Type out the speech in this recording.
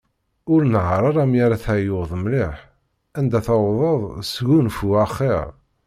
Ur nehher ara mi ara teɛyuḍ mliḥ, anda tewḍeḍ, sgunfu axir.